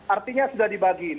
artinya sudah dibagi